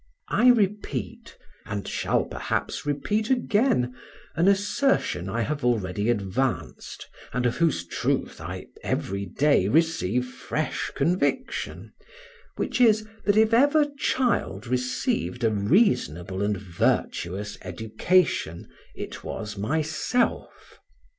I repeat, and shall perhaps repeat again, an assertion I have already advanced, and of whose truth I every day receive fresh conviction, which is, that if ever child received a reasonable and virtuous education, it was myself.